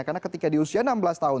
karena ketika di usia enam belas tahun